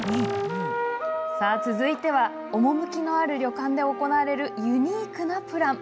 続いては、趣のある旅館で行われるユニークなプラン。